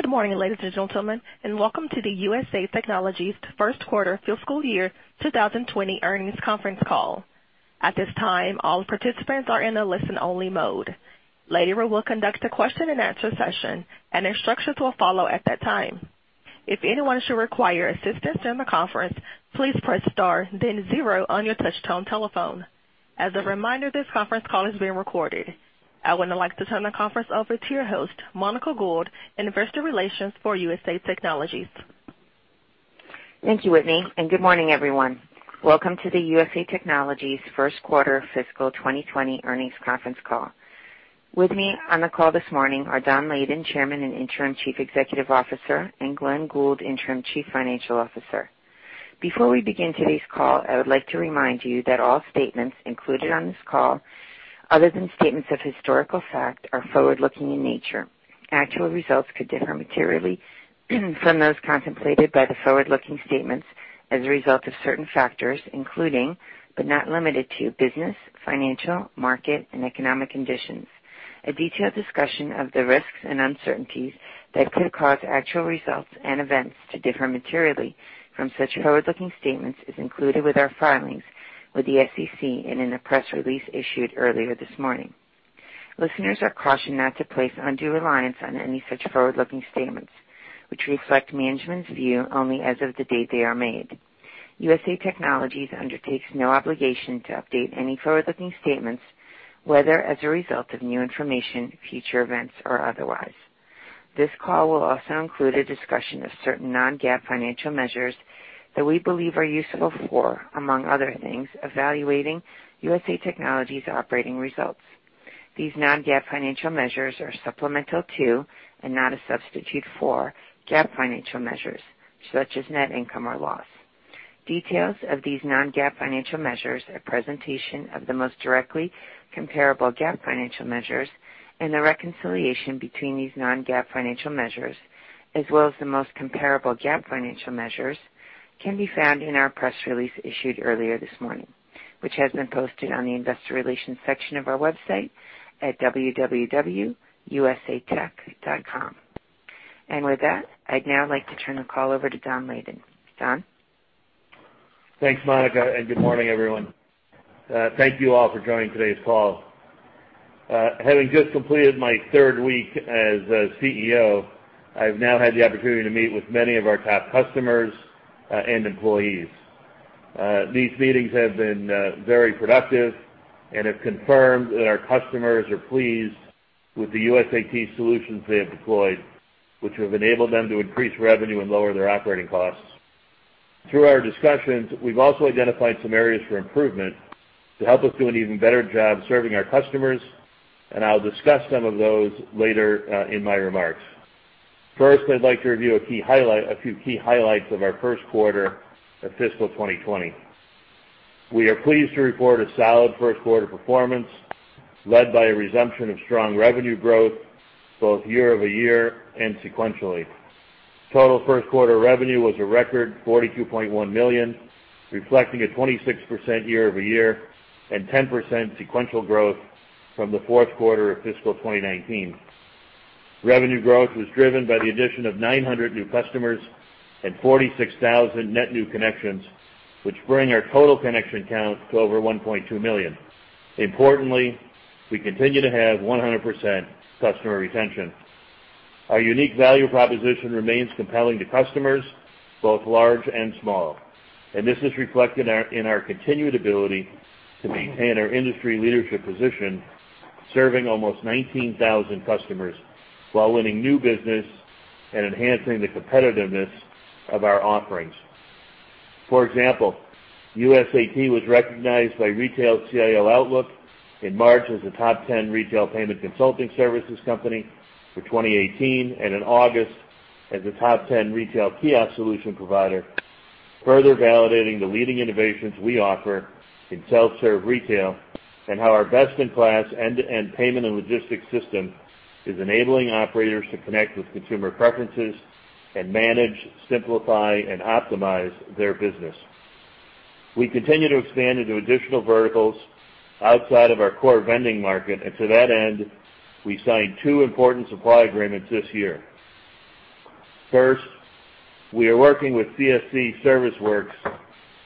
Good morning, ladies and gentlemen, and welcome to the USA Technologies first quarter fiscal year 2020 earnings conference call. At this time, all participants are in a listen-only mode. Later, we will conduct a question and answer session, and instructions will follow at that time. If anyone should require assistance during the conference, please press star then zero on your touch-tone telephone. As a reminder, this conference call is being recorded. I would now like to turn the conference over to your host, Monica Gould, Investor Relations for USA Technologies. Thank you, Whitney, and good morning, everyone. Welcome to the USA Technologies first quarter fiscal 2020 earnings conference call. With me on the call this morning are Don Layden, Chairman and Interim Chief Executive Officer, and Glen Goold, Interim Chief Financial Officer. Before we begin today's call, I would like to remind you that all statements included on this call, other than statements of historical fact, are forward-looking in nature. Actual results could differ materially from those contemplated by the forward-looking statements as a result of certain factors, including, but not limited to, business, financial, market, and economic conditions. A detailed discussion of the risks and uncertainties that could cause actual results and events to differ materially from such forward-looking statements is included with our filings with the SEC and in the press release issued earlier this morning. Listeners are cautioned not to place undue reliance on any such forward-looking statements, which reflect management's view only as of the date they are made. USA Technologies undertakes no obligation to update any forward-looking statements, whether as a result of new information, future events, or otherwise. This call will also include a discussion of certain non-GAAP financial measures that we believe are useful for, among other things, evaluating USA Technologies' operating results. These non-GAAP financial measures are supplemental to, and not a substitute for, GAAP financial measures such as net income or loss. Details of these non-GAAP financial measures, a presentation of the most directly comparable GAAP financial measures, and a reconciliation between these non-GAAP financial measures, as well as the most comparable GAAP financial measures, can be found in our press release issued earlier this morning, which has been posted on the investor relations section of our website at www.usatech.com. With that, I'd now like to turn the call over to Don Layden. Don? Thanks, Monica. Good morning, everyone. Thank you all for joining today's call. Having just completed my third week as CEO, I've now had the opportunity to meet with many of our top customers and employees. These meetings have been very productive and have confirmed that our customers are pleased with the USAT solutions they have deployed, which have enabled them to increase revenue and lower their operating costs. Through our discussions, we've also identified some areas for improvement to help us do an even better job serving our customers. I'll discuss some of those later in my remarks. First, I'd like to review a few key highlights of our first quarter of fiscal 2020. We are pleased to report a solid first quarter performance led by a resumption of strong revenue growth, both year-over-year and sequentially. Total first quarter revenue was a record $42.1 million, reflecting a 26% year-over-year and 10% sequential growth from the fourth quarter of fiscal 2019. Revenue growth was driven by the addition of 900 new customers and 46,000 net new connections, which bring our total connection count to over 1.2 million. Importantly, we continue to have 100% customer retention. Our unique value proposition remains compelling to customers, both large and small, and this is reflected in our continued ability to maintain our industry leadership position, serving almost 19,000 customers while winning new business and enhancing the competitiveness of our offerings. For example, USAT was recognized by Retail CIO Outlook in March as a top 10 retail payment consulting services company for 2018, and in August as a top 10 retail kiosk solution provider, further validating the leading innovations we offer in self-serve retail and how our best-in-class end-to-end payment and logistics system is enabling operators to connect with consumer preferences and manage, simplify, and optimize their business. We continue to expand into additional verticals outside of our core vending market, and to that end, we signed two important supply agreements this year. First, we are working with CSC ServiceWorks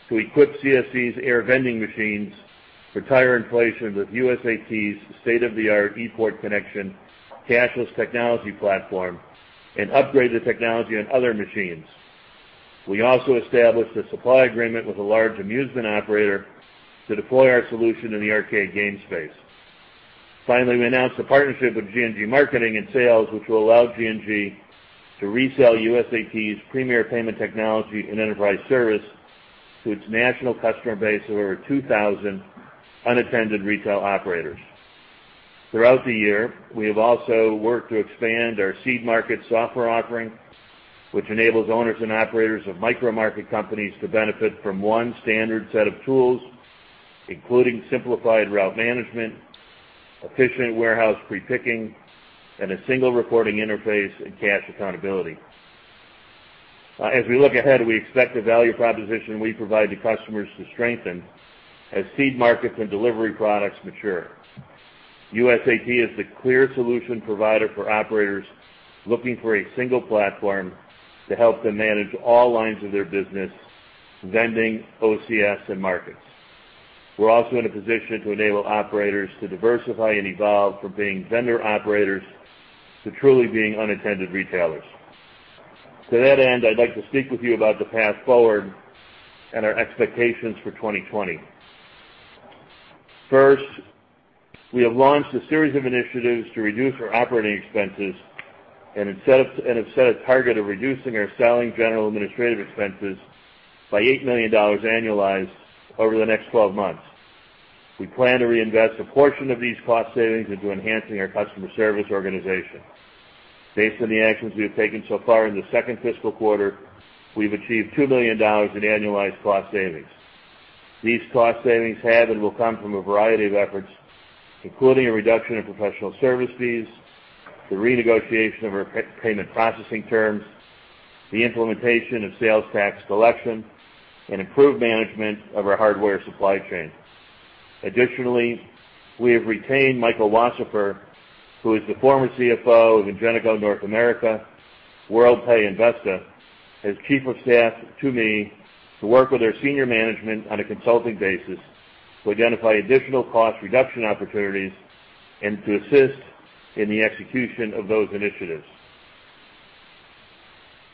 to equip CSC's air vending machines for tire inflation with USAT's state-of-the-art ePort Connect cashless technology platform and upgrade the technology on other machines. We also established a supply agreement with a large amusement operator to deploy our solution in the arcade game space. Finally, we announced a partnership with G&J Marketing and Sales, which will allow G&J to resell USAT's premier payment technology and enterprise service to its national customer base of over 2,000 unattended retail operators. Throughout the year, we have also worked to expand our Seed Markets offering, which enables owners and operators of micro market companies to benefit from one standard set of tools, including simplified route management, efficient warehouse prepicking, and a single reporting interface and cash accountability. As we look ahead, we expect the value proposition we provide to customers to strengthen as Seed Markets and delivery products mature. USAT is the clear solution provider for operators looking for a single platform to help them manage all lines of their business, vending, OCS, and markets. We're also in a position to enable operators to diversify and evolve from being vendor operators to truly being unattended retailers. To that end, I'd like to speak with you about the path forward and our expectations for 2020. First, we have launched a series of initiatives to reduce our operating expenses and have set a target of reducing our Selling, General Administrative expenses by $8 million annualized over the next 12 months. We plan to reinvest a portion of these cost savings into enhancing our customer service organization. Based on the actions we have taken so far in the second fiscal quarter, we've achieved $2 million in annualized cost savings. These cost savings have and will come from a variety of efforts, including a reduction in professional service fees, the renegotiation of our payment processing terms, the implementation of sales tax collection, and improved management of our hardware supply chain. Additionally, we have retained Michael Wasserfuhr, who is the former CFO of Ingenico North America, Worldpay, and Vesta, as chief of staff to me to work with our senior management on a consulting basis to identify additional cost reduction opportunities and to assist in the execution of those initiatives.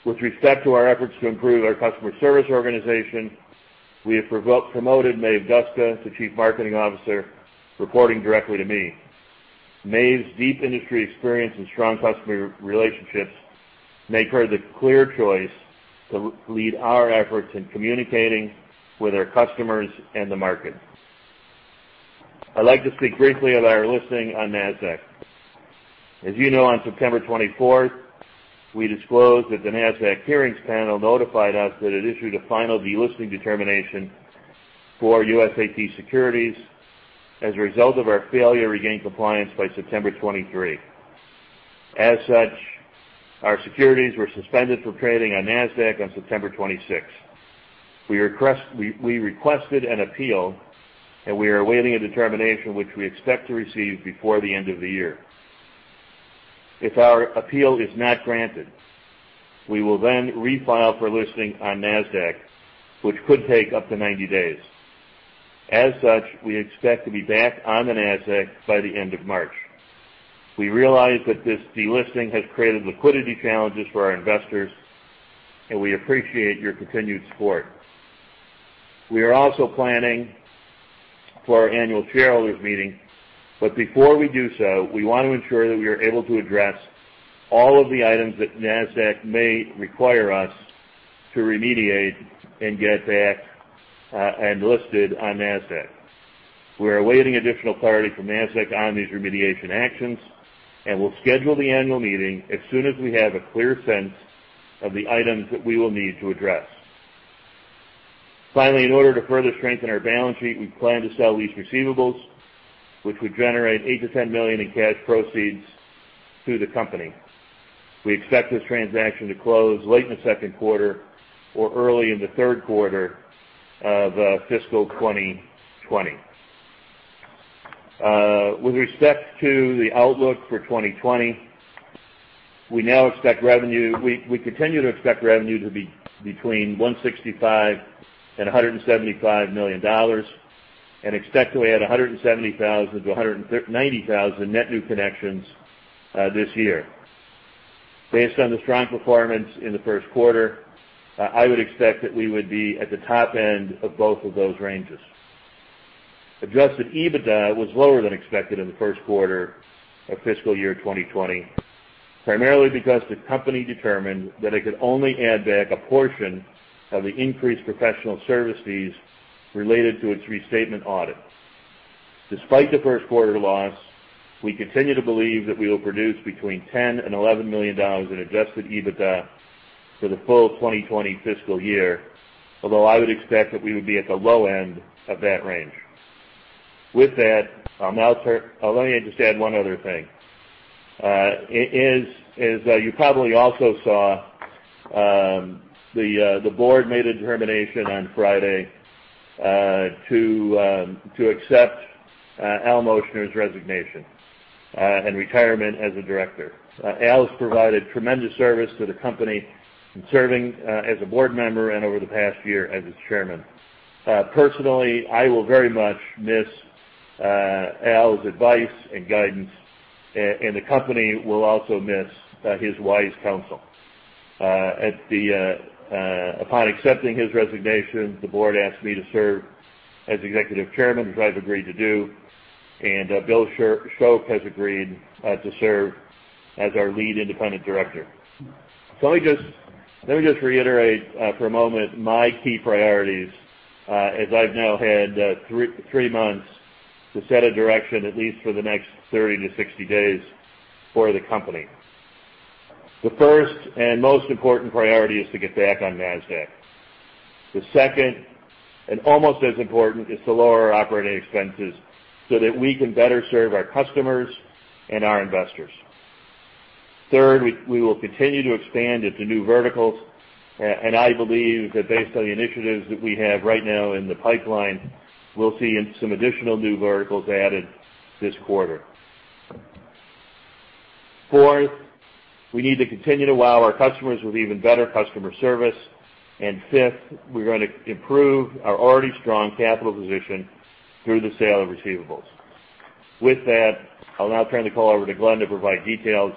With respect to our efforts to improve our customer service organization, we have promoted Maeve Duska to Chief Marketing Officer, reporting directly to me. Maeve's deep industry experience and strong customer relationships make her the clear choice to lead our efforts in communicating with our customers and the market. I'd like to speak briefly on our listing on Nasdaq. As you know, on September 24th, we disclosed that the Nasdaq hearings panel notified us that it issued a final delisting determination for USAT securities as a result of our failure to regain compliance by September 23. As such, our securities were suspended from trading on Nasdaq on September 26th. We requested an appeal. We are awaiting a determination, which we expect to receive before the end of the year. If our appeal is not granted, we will refile for listing on Nasdaq, which could take up to 90 days. As such, we expect to be back on the Nasdaq by the end of March. We realize that this delisting has created liquidity challenges for our investors. We appreciate your continued support. We are also planning for our annual shareholders meeting. Before we do so, we want to ensure that we are able to address all of the items that Nasdaq may require us to remediate and get back and listed on Nasdaq. We are awaiting additional clarity from Nasdaq on these remediation actions, and we'll schedule the annual meeting as soon as we have a clear sense of the items that we will need to address. Finally, in order to further strengthen our balance sheet, we plan to sell lease receivables, which would generate $8 million-$10 million in cash proceeds to the company. We expect this transaction to close late in the second quarter or early in the third quarter of fiscal 2020. With respect to the outlook for 2020, we continue to expect revenue to be between $165 million and $175 million and expect to add 170,000-190,000 net new connections this year. Based on the strong performance in the first quarter, I would expect that we would be at the top end of both of those ranges. Adjusted EBITDA was lower than expected in the first quarter of fiscal year 2020, primarily because the company determined that it could only add back a portion of the increased professional service fees related to its restatement audit. Despite the first quarter loss, we continue to believe that we will produce between $10 and $11 million in adjusted EBITDA for the full 2020 fiscal year, although I would expect that we would be at the low end of that range. With that, let me just add one other thing. As you probably also saw, the board made a determination on Friday to accept Al Moschner's resignation and retirement as a director. Al has provided tremendous service to the company in serving as a board member and over the past year as its chairman. Personally, I will very much miss Al's advice and guidance, and the company will also miss his wise counsel. Upon accepting his resignation, the board asked me to serve as executive chairman, which I've agreed to do, and Bill Shoaf has agreed to serve as our lead independent director. Let me just reiterate for a moment my key priorities as I've now had three months to set a direction, at least for the next 30 to 60 days, for the company. The first and most important priority is to get back on Nasdaq. The second, and almost as important, is to lower our operating expenses so that we can better serve our customers and our investors. Third, we will continue to expand into new verticals, and I believe that based on the initiatives that we have right now in the pipeline, we'll see some additional new verticals added this quarter. Fourth, we need to continue to wow our customers with even better customer service. Fifth, we're going to improve our already strong capital position through the sale of receivables. With that, I'll now turn the call over to Glen to provide details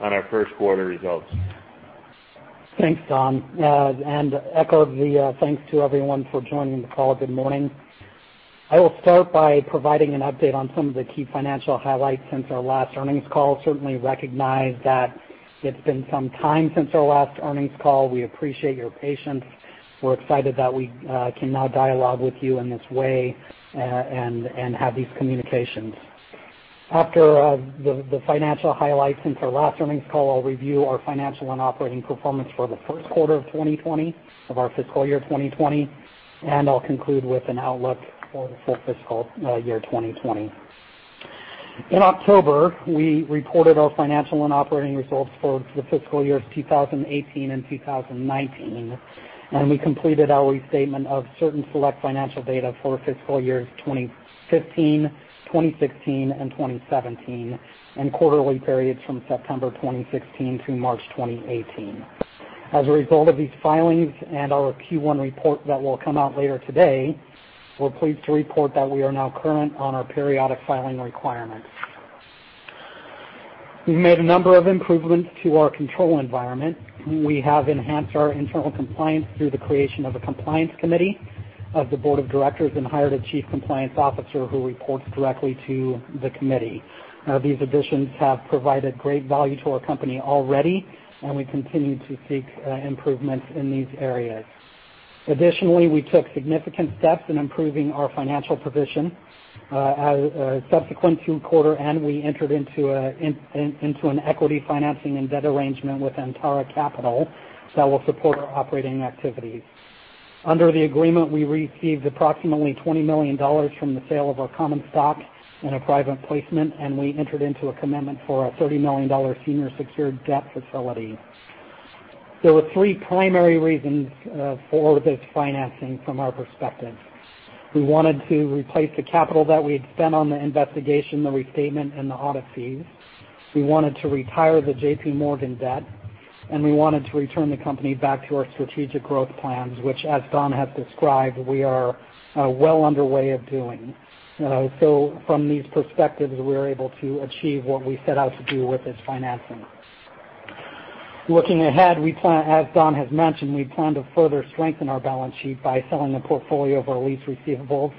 on our first quarter results. Thanks, Don. Echo the thanks to everyone for joining the call. Good morning. I will start by providing an update on some of the key financial highlights since our last earnings call. Certainly recognize that it's been some time since our last earnings call. We appreciate your patience. We're excited that we can now dialogue with you in this way, and have these communications. After the financial highlights since our last earnings call, I'll review our financial and operating performance for the first quarter of 2020, of our fiscal year 2020, and I'll conclude with an outlook for the full fiscal year 2020. In October, we reported our financial and operating results for the fiscal years 2018 and 2019, and we completed our restatement of certain select financial data for fiscal years 2015, 2016, and 2017, and quarterly periods from September 2016 through March 2018. As a result of these filings and our Q1 report that will come out later today, we're pleased to report that we are now current on our periodic filing requirements. We've made a number of improvements to our control environment. We have enhanced our internal compliance through the creation of a compliance committee of the board of directors and hired a chief compliance officer who reports directly to the committee. These additions have provided great value to our company already, and we continue to seek improvements in these areas. Additionally, we took significant steps in improving our financial position as a subsequent-to quarter, and we entered into an equity financing and debt arrangement with Antara Capital that will support our operating activities. Under the agreement, we received approximately $20 million from the sale of our common stock in a private placement, and we entered into a commitment for a $30 million senior secured debt facility. There were three primary reasons for this financing from our perspective. We wanted to replace the capital that we had spent on the investigation, the restatement, and the audit fees. We wanted to retire the JPMorgan debt, and we wanted to return the company back to our strategic growth plans, which, as Don has described, we are well under way of doing. From these perspectives, we were able to achieve what we set out to do with this financing. Looking ahead, as Don has mentioned, we plan to further strengthen our balance sheet by selling the portfolio of our lease receivables.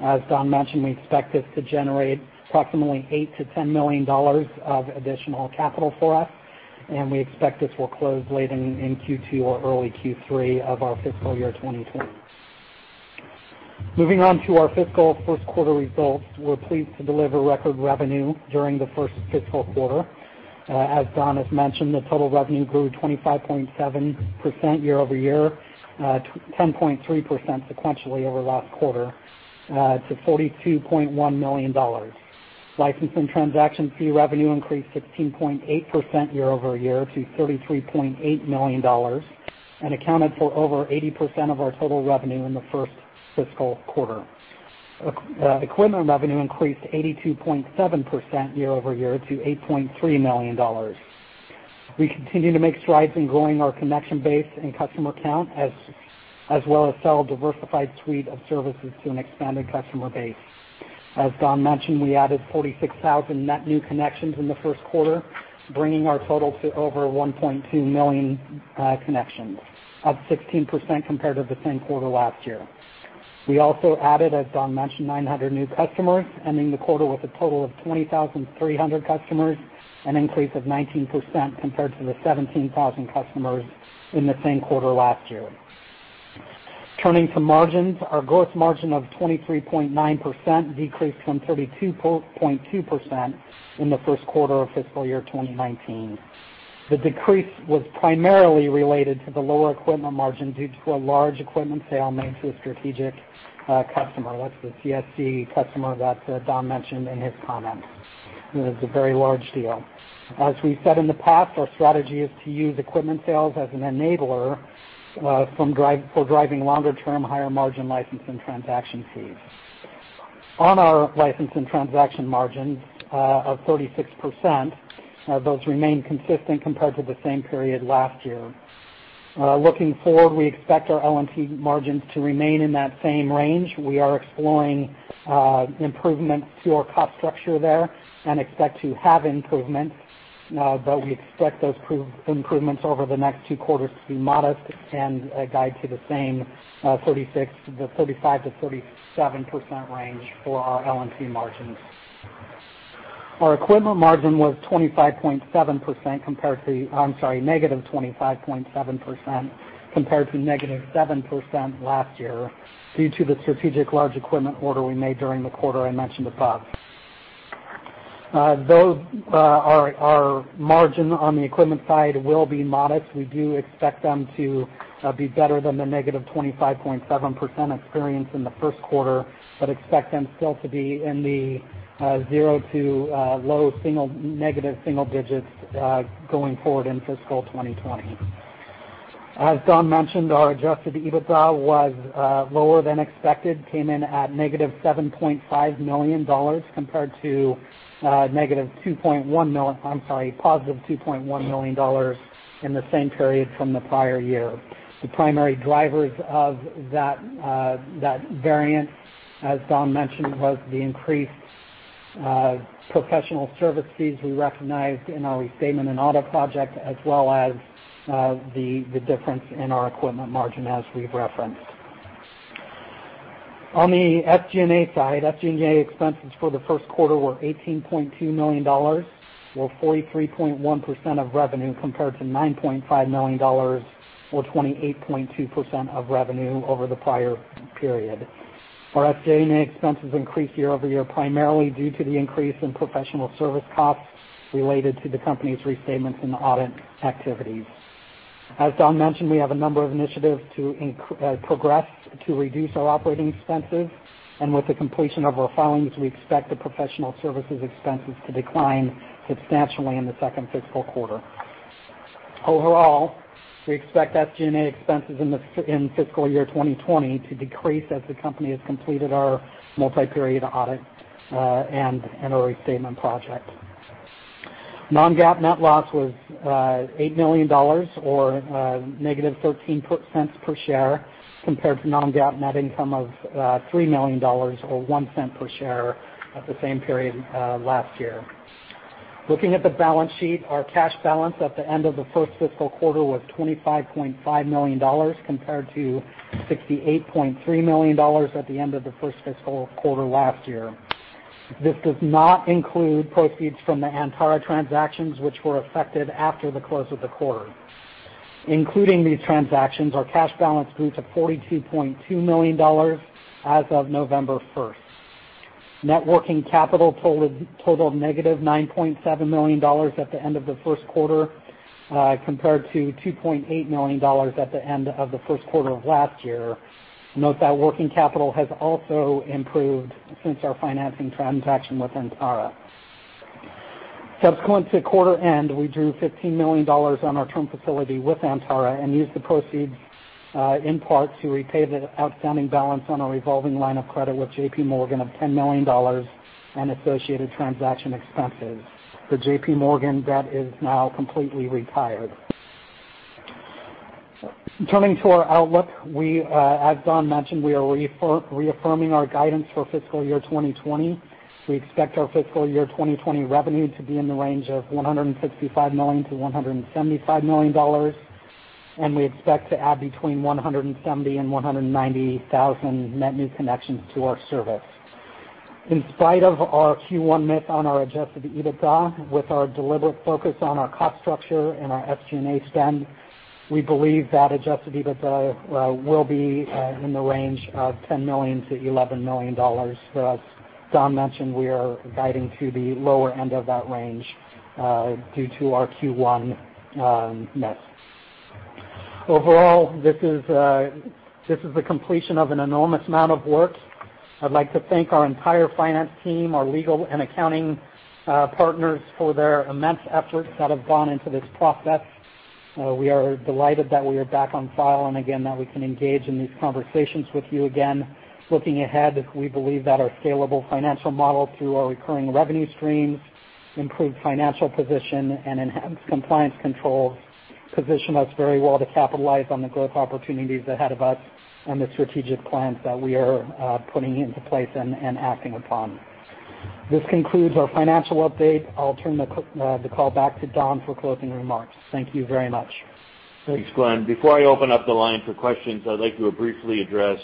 As Don mentioned, we expect this to generate approximately $8 million-$10 million of additional capital for us. We expect this will close late in Q2 or early Q3 of our fiscal year 2020. Moving on to our fiscal first quarter results. We're pleased to deliver record revenue during the first fiscal quarter. As Don has mentioned, the total revenue grew 25.7% year-over-year, 10.3% sequentially over last quarter, to $42.1 million. Licensing transaction fee revenue increased 16.8% year-over-year to $33.8 million and accounted for over 80% of our total revenue in the first fiscal quarter. Equipment revenue increased 82.7% year-over-year to $8.3 million. We continue to make strides in growing our connection base and customer count as well as sell a diversified suite of services to an expanding customer base. As Don mentioned, we added 46,000 net new connections in the first quarter, bringing our total to over 1.2 million connections, up 16% compared to the same quarter last year. We also added, as Don mentioned, 900 new customers, ending the quarter with a total of 20,300 customers, an increase of 19% compared to the 17,000 customers in the same quarter last year. Turning to margins, our gross margin of 23.9% decreased from 32.2% in the first quarter of fiscal year 2019. The decrease was primarily related to the lower equipment margin due to a large equipment sale made to a strategic customer. That's the CSC customer that Don mentioned in his comments. It was a very large deal. As we've said in the past, our strategy is to use equipment sales as an enabler for driving longer-term, higher-margin license and transaction fees. On our license and transaction margins of 36%, those remain consistent compared to the same period last year. Looking forward, we expect our L&T margins to remain in that same range. We are exploring improvements to our cost structure there and expect to have improvements, but we expect those improvements over the next two quarters to be modest and guide to the same 35%-37% range for our L&T margins. Our equipment margin was 25.7% negative 25.7% compared to negative 7% last year due to the strategic large equipment order we made during the quarter I mentioned above. Our margin on the equipment side will be modest. We do expect them to be better than the negative 25.7% experience in the first quarter, but expect them still to be in the zero to low negative single digits going forward in fiscal 2020. As Don mentioned, our adjusted EBITDA was lower than expected, came in at negative $7.5 million compared to positive $2.1 million in the same period from the prior year. The primary drivers of that variance, as Don mentioned, was the increased professional service fees we recognized in our restatement and audit project, as well as the difference in our equipment margin, as we've referenced. On the SG&A side, SG&A expenses for the first quarter were $18.2 million, or 43.1% of revenue, compared to $9.5 million, or 28.2% of revenue over the prior period. Our SG&A expenses increased year-over-year, primarily due to the increase in professional service costs related to the company's restatements and audit activities. As Don mentioned, we have a number of initiatives to progress to reduce our operating expenses, and with the completion of our filings, we expect the professional services expenses to decline substantially in the second fiscal quarter. Overall, we expect SG&A expenses in fiscal year 2020 to decrease as the company has completed our multi-period audit and our restatement project. Non-GAAP net loss was $8 million, or -$0.13 per share, compared to non-GAAP net income of $3 million, or $0.01 per share at the same period last year. Looking at the balance sheet, our cash balance at the end of the first fiscal quarter was $25.5 million, compared to $68.3 million at the end of the first fiscal quarter last year. This does not include proceeds from the Antara transactions, which were affected after the close of the quarter. Including these transactions, our cash balance grew to $42.2 million as of November 1st. Net working capital totaled negative $9.7 million at the end of the first quarter, compared to $2.8 million at the end of the first quarter of last year. Note that working capital has also improved since our financing transaction with Antara. Subsequent to quarter end, we drew $15 million on our term facility with Antara and used the proceeds in part to repay the outstanding balance on a revolving line of credit with JP Morgan of $10 million and associated transaction expenses. The JP Morgan debt is now completely retired. Turning to our outlook, as Don mentioned, we are reaffirming our guidance for fiscal year 2020. We expect our fiscal year 2020 revenue to be in the range of $165 million-$175 million, and we expect to add between 170,000 and 190,000 net new connections to our service. In spite of our Q1 miss on our adjusted EBITDA, with our deliberate focus on our cost structure and our SG&A spend, we believe that adjusted EBITDA will be in the range of $10 million-$11 million. As Don mentioned, we are guiding to the lower end of that range due to our Q1 miss. Overall, this is the completion of an enormous amount of work. I'd like to thank our entire finance team, our legal and accounting partners for their immense efforts that have gone into this process. We are delighted that we are back on file and again that we can engage in these conversations with you again. Looking ahead, we believe that our scalable financial model through our recurring revenue streams, improved financial position, and enhanced compliance controls position us very well to capitalize on the growth opportunities ahead of us and the strategic plans that we are putting into place and acting upon. This concludes our financial update. I'll turn the call back to Don for closing remarks. Thank you very much. Thanks, Glen. Before I open up the line for questions, I'd like to briefly address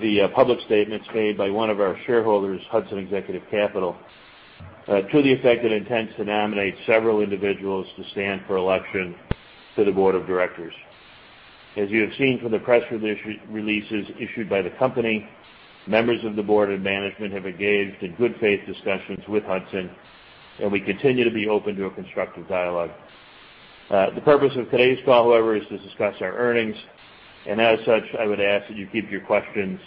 the public statements made by one of our shareholders, Hudson Executive Capital, to the effect it intends to nominate several individuals to stand for election to the board of directors. As you have seen from the press releases issued by the company, members of the board and management have engaged in good faith discussions with Hudson, and we continue to be open to a constructive dialogue. The purpose of today's call, however, is to discuss our earnings, and as such, I would ask that you keep your questions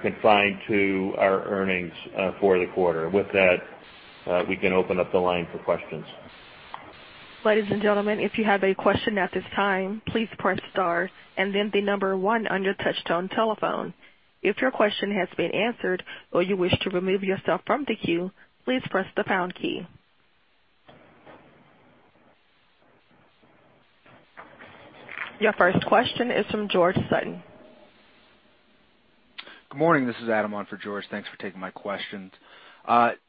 confined to our earnings for the quarter. With that, we can open up the line for questions. Ladies and gentlemen, if you have a question at this time, please press star and then the number 1 on your touchtone telephone. If your question has been answered or you wish to remove yourself from the queue, please press the pound key. Your first question is from George Sutton. Good morning. This is Adam on for George. Thanks for taking my questions.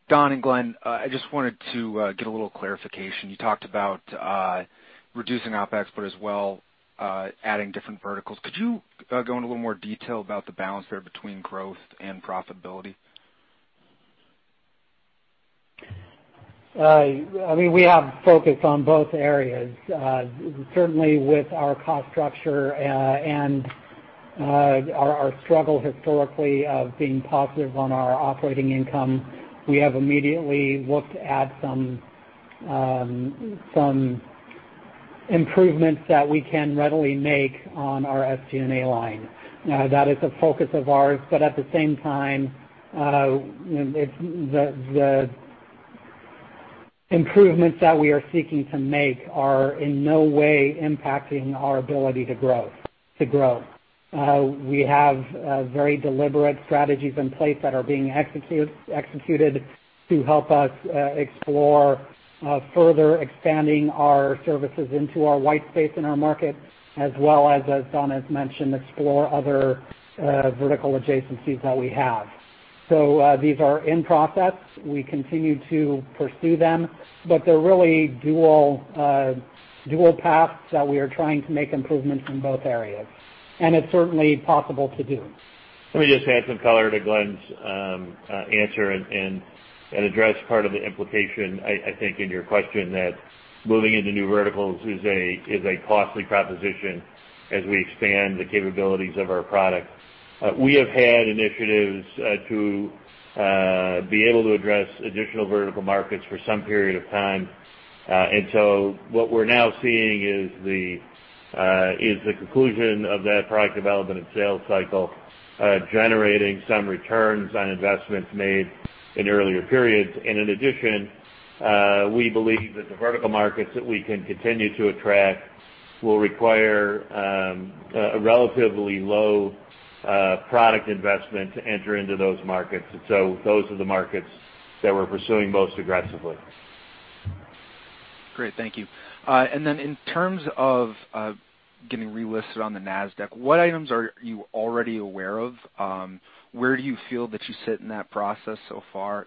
Don and Glen, I just wanted to get a little clarification. You talked about reducing OpEx, but as well adding different verticals. Could you go into a little more detail about the balance there between growth and profitability? We have focus on both areas. Certainly, with our cost structure and. Our struggle historically of being positive on our operating income, we have immediately looked at some improvements that we can readily make on our SG&A line. That is a focus of ours. At the same time, the improvements that we are seeking to make are in no way impacting our ability to grow. We have very deliberate strategies in place that are being executed to help us explore further expanding our services into our white space in our market, as well as Don has mentioned, explore other vertical adjacencies that we have. These are in process. We continue to pursue them. They're really dual paths that we are trying to make improvements in both areas, and it's certainly possible to do. Let me just add some color to Glen's answer and address part of the implication, I think, in your question, that moving into new verticals is a costly proposition as we expand the capabilities of our product. We have had initiatives to be able to address additional vertical markets for some period of time. What we're now seeing is the conclusion of that product development and sales cycle, generating some returns on investments made in earlier periods. In addition, we believe that the vertical markets that we can continue to attract will require a relatively low product investment to enter into those markets. Those are the markets that we're pursuing most aggressively. Great, thank you. In terms of getting relisted on the Nasdaq, what items are you already aware of? Where do you feel that you sit in that process so far?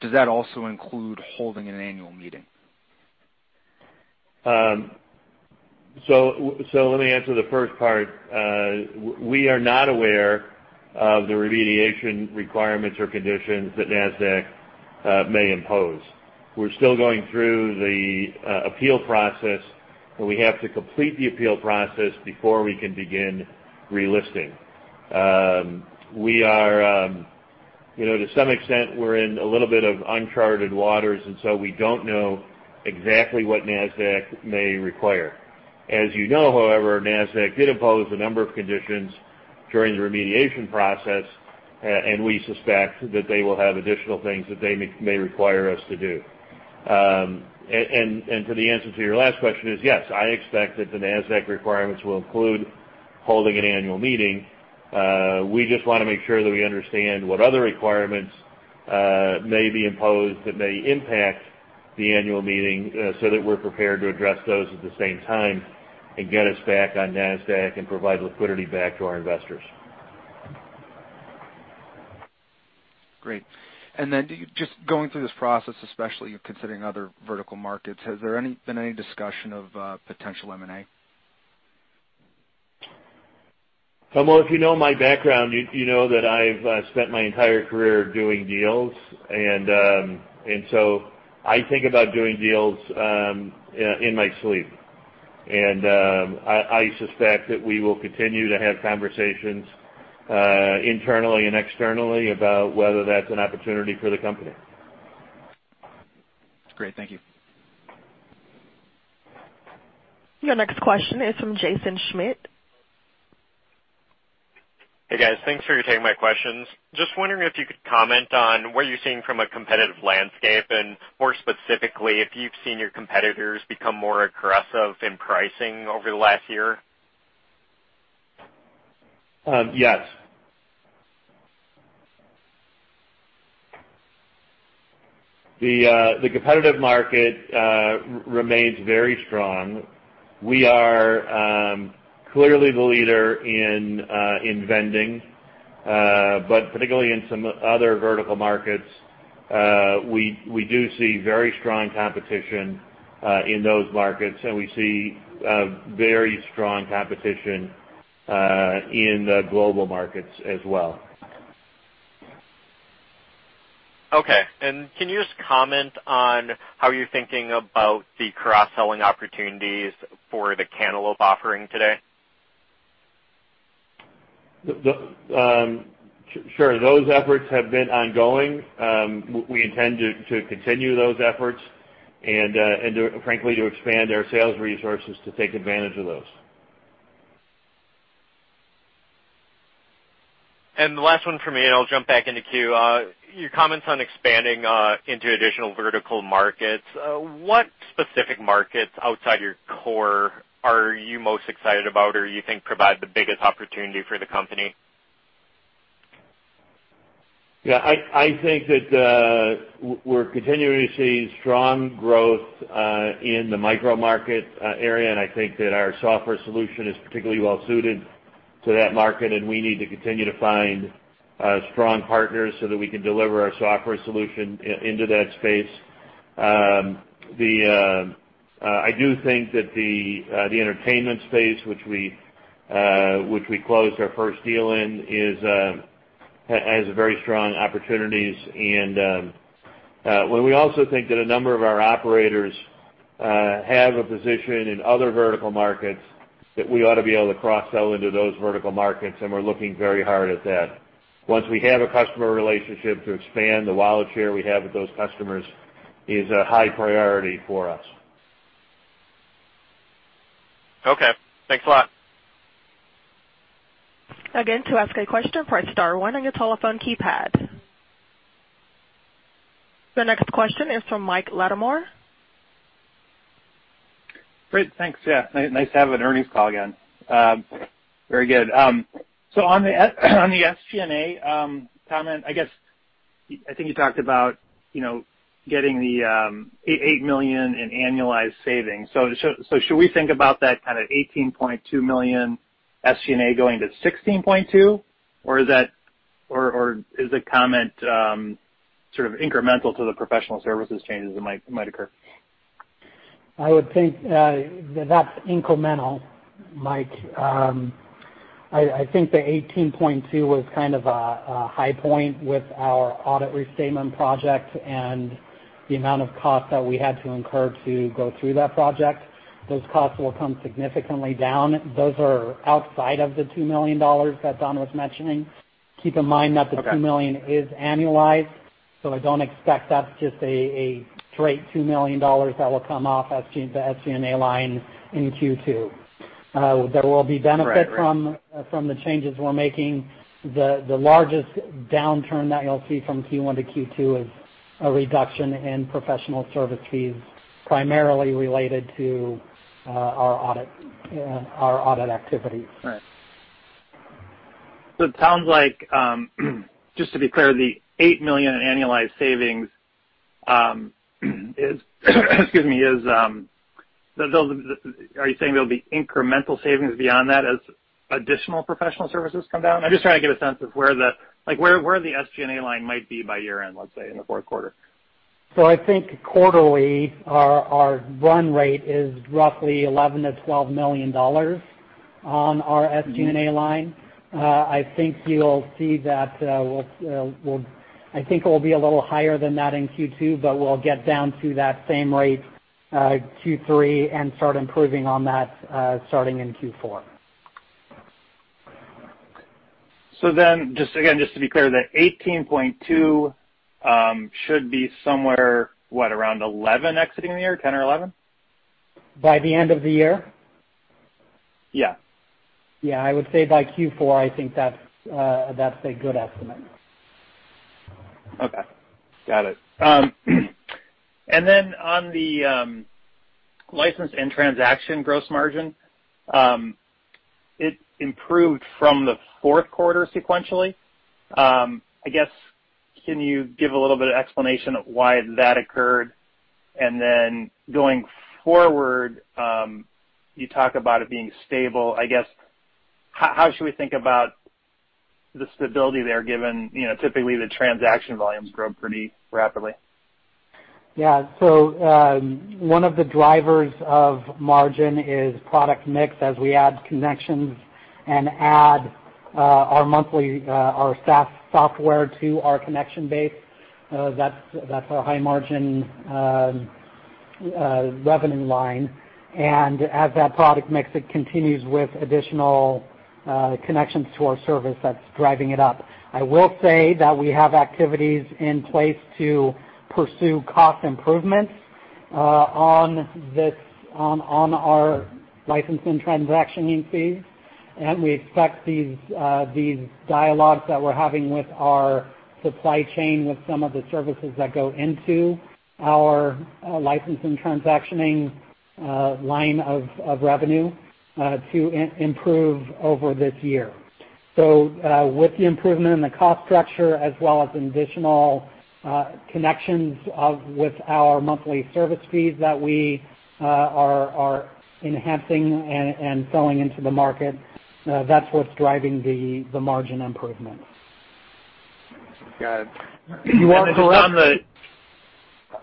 Does that also include holding an annual meeting? Let me answer the first part. We are not aware of the remediation requirements or conditions that Nasdaq may impose. We're still going through the appeal process, and we have to complete the appeal process before we can begin relisting. To some extent, we're in a little bit of uncharted waters, we don't know exactly what Nasdaq may require. As you know, however, Nasdaq did impose a number of conditions during the remediation process, and we suspect that they will have additional things that they may require us to do. For the answer to your last question is, yes, I expect that the Nasdaq requirements will include holding an annual meeting. We just want to make sure that we understand what other requirements may be imposed that may impact the annual meeting, so that we're prepared to address those at the same time and get us back on Nasdaq and provide liquidity back to our investors. Great. Then just going through this process, especially of considering other vertical markets, has there been any discussion of potential M&A? Well, if you know my background, you'd know that I've spent my entire career doing deals, and so I think about doing deals in my sleep. I suspect that we will continue to have conversations internally and externally about whether that's an opportunity for the company. Great. Thank you. Your next question is from Jaeson Schmidt. Hey, guys. Thanks for taking my questions. Just wondering if you could comment on what you're seeing from a competitive landscape and, more specifically, if you've seen your competitors become more aggressive in pricing over the last year. Yes. The competitive market remains very strong. We are clearly the leader in vending. Particularly in some other vertical markets, we do see very strong competition in those markets, and we see very strong competition in the global markets as well. Okay. Can you just comment on how you're thinking about the cross-selling opportunities for the Cantaloupe offering today? Sure. Those efforts have been ongoing. We intend to continue those efforts and frankly, to expand our sales resources to take advantage of those. The last one from me, and I'll jump back in the queue. Your comments on expanding into additional vertical markets, what specific markets outside your core are you most excited about or you think provide the biggest opportunity for the company? Yeah, I think that we're continuing to see strong growth in the micro market area, and I think that our software solution is particularly well-suited to that market, and we need to continue to find strong partners so that we can deliver our software solution into that space. I do think that the entertainment space, which we closed our first deal in, has very strong opportunities. Well, we also think that a number of our operators have a position in other vertical markets that we ought to be able to cross-sell into those vertical markets, and we're looking very hard at that. Once we have a customer relationship, to expand the wallet share we have with those customers is a high priority for us. Okay. Thanks a lot. Again, to ask a question, press star one on your telephone keypad. The next question is from Mike Latimore. Great. Thanks. Yeah. Nice to have an earnings call again. Very good. On the SG&A comment, I think you talked about getting the $8 million in annualized savings. Should we think about that kind of $18.2 million SG&A going to $16.2 million, or is the comment sort of incremental to the professional services changes that might occur? I would think that's incremental, Mike. I think the 18.2 was kind of a high point with our audit restatement project and the amount of cost that we had to incur to go through that project. Those costs will come significantly down. Those are outside of the $2 million that Don was mentioning. Okay 2 million is annualized. I don't expect that's just a straight $2 million that will come off the SG&A line in Q2. Right from the changes we're making. The largest downturn that you'll see from Q1 to Q2 is a reduction in professional service fees, primarily related to our audit activities. Right. It sounds like, just to be clear, the $8 million in annualized savings, are you saying there'll be incremental savings beyond that as additional professional services come down? I'm just trying to get a sense of where the SG&A line might be by year-end, let's say, in the fourth quarter. I think quarterly, our run rate is roughly $11 million-$12 million on our SG&A line. I think it will be a little higher than that in Q2, but we'll get down to that same rate, Q3 and start improving on that starting in Q4. Just again, just to be clear, the 18.2 should be somewhere, what, around 11 exiting the year, 10 or 11? By the end of the year? Yeah. Yeah, I would say by Q4, I think that's a good estimate. Okay. Got it. On the License and Transaction gross margin, it improved from the fourth quarter sequentially. I guess, can you give a little bit of explanation of why that occurred? And then going forward, you talk about it being stable, I guess, how should we think about the stability there given, typically the transaction volumes grow pretty rapidly? Yeah. One of the drivers of margin is product mix. As we add connections and add our monthly, our SaaS software to our connection base, that's our high margin revenue line. As that product mix, it continues with additional connections to our service that's driving it up. I will say that we have activities in place to pursue cost improvements on our licensing and transactioning fees. We expect these dialogues that we're having with our supply chain, with some of the services that go into our licensing, transactioning line of revenue, to improve over this year. With the improvement in the cost structure, as well as additional connections with our monthly service fees that we are enhancing and selling into the market, that's what's driving the margin improvement. Got it.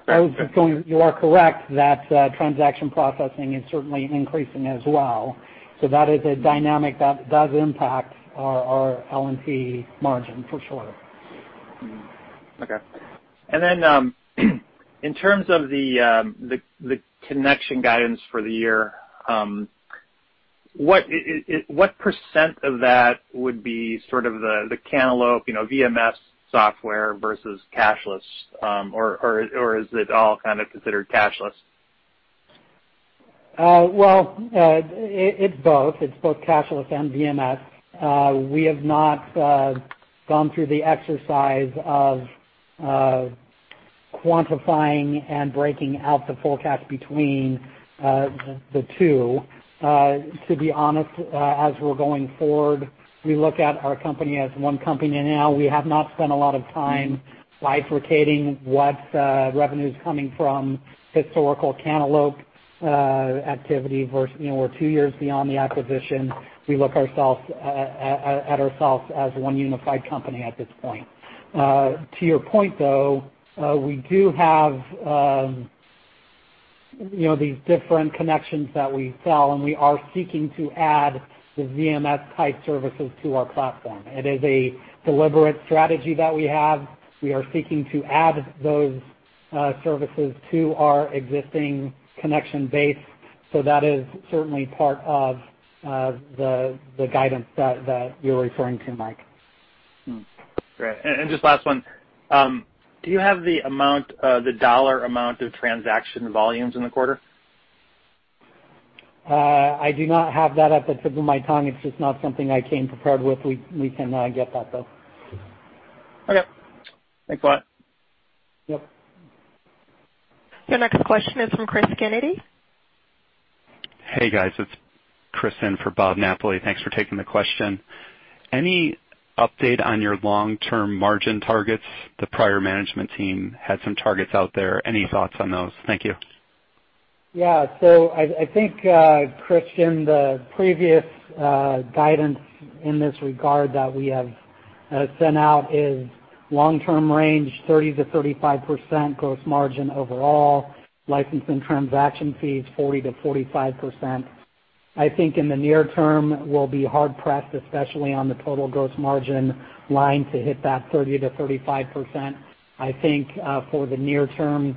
You are correct that transaction processing is certainly increasing as well. That is a dynamic that does impact our L&T margin for sure. Okay. In terms of the connection guidance for the year, what % of that would be sort of the Cantaloupe VMS software versus cashless? Or is it all kind of considered cashless? Well, it's both. It's both cashless and VMS. We have not gone through the exercise of quantifying and breaking out the forecast between the two. To be honest, as we're going forward, we look at our company as one company now. We have not spent a lot of time bifurcating what revenue's coming from historical Cantaloupe activity versus. We're two years beyond the acquisition. We look at ourselves as one unified company at this point. To your point, though, we do have these different connections that we sell, and we are seeking to add the VMS type services to our platform. It is a deliberate strategy that we have. We are seeking to add those services to our existing connection base. That is certainly part of the guidance that you're referring to, Mike. Great. Just last one. Do you have the dollar amount of transaction volumes in the quarter? I do not have that at the tip of my tongue. It's just not something I came prepared with. We can get that, though. Okay. Thanks a lot. Yep. Your next question is from Cris Kennedy. Hey, guys. It's Cris in for Bob Napoli. Thanks for taking the question. Any update on your long-term margin targets? The prior management team had some targets out there. Any thoughts on those? Thank you. I think, Christian, the previous guidance in this regard that we have sent out is long-term range, 30%-35% gross margin overall. Licensing transaction fees, 40%-45%. I think in the near term, we'll be hard pressed, especially on the total gross margin line, to hit that 30%-35%. I think for the near term,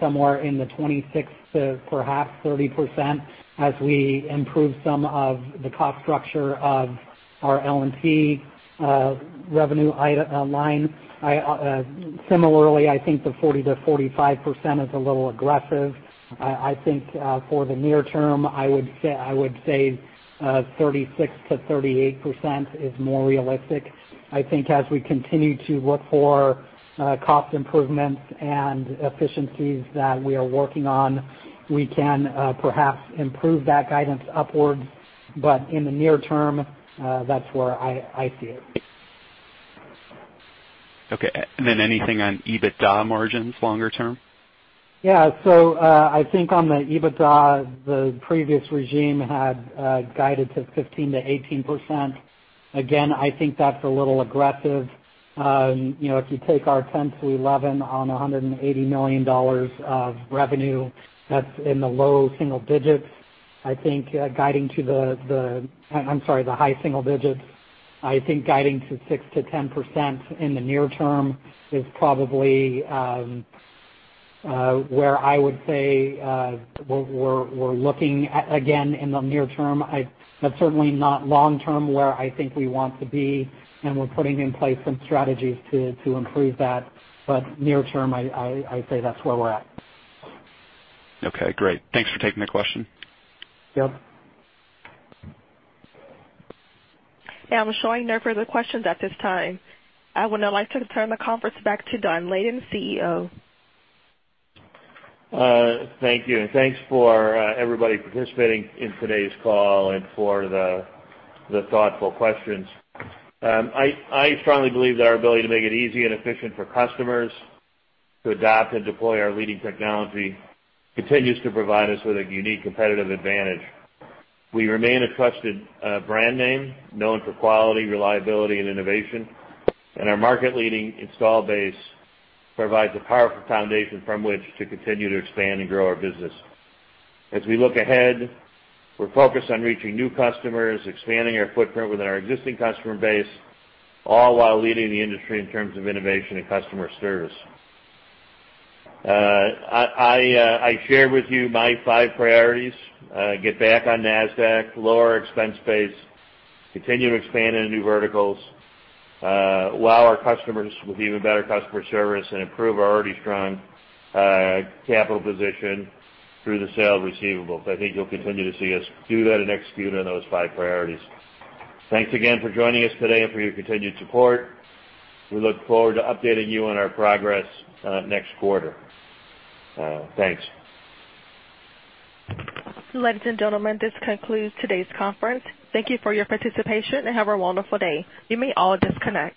somewhere in the 26%-30% as we improve some of the cost structure of our L&T revenue line. Similarly, I think the 40%-45% is a little aggressive. I think for the near term, I would say 36%-38% is more realistic. I think as we continue to look for cost improvements and efficiencies that we are working on, we can perhaps improve that guidance upwards. In the near term, that's where I see it. Okay. Anything on EBITDA margins longer term? I think on the EBITDA, the previous regime had guided to 15%-18%. Again, I think that's a little aggressive. If you take our 10%-11% on $180 million of revenue, that's in the low single digits. I think guiding to the high single digits. I think guiding to 6%-10% in the near term is probably where I would say we're looking again, in the near term. That's certainly not long term, where I think we want to be, and we're putting in place some strategies to improve that. Near term, I'd say that's where we're at. Okay, great. Thanks for taking the question. Yep. I'm showing no further questions at this time. I would now like to turn the conference back to Don Layden, CEO. Thank you, and thanks for everybody participating in today's call and for the thoughtful questions. I strongly believe that our ability to make it easy and efficient for customers to adopt and deploy our leading technology continues to provide us with a unique competitive advantage. We remain a trusted brand name known for quality, reliability, and innovation. Our market leading install base provides a powerful foundation from which to continue to expand and grow our business. As we look ahead, we're focused on reaching new customers, expanding our footprint within our existing customer base, all while leading the industry in terms of innovation and customer service. I shared with you my five priorities. Get back on Nasdaq, lower our expense base, continue to expand into new verticals, wow our customers with even better customer service, and improve our already strong capital position through the sale of receivables. I think you'll continue to see us do that and execute on those five priorities. Thanks again for joining us today and for your continued support. We look forward to updating you on our progress next quarter. Thanks. Ladies and gentlemen, this concludes today's conference. Thank you for your participation, and have a wonderful day. You may all disconnect.